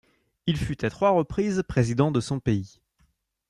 Il fut à trois reprises président de son pays.